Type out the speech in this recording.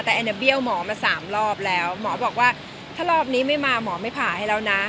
แต่แอนเน้อเบี่ย้วโหมอมาสามรอบแล้วโหมอบอกว่าถ้ารอบนี้ไม่มาโหมอไม่ผ่าให้เราน่า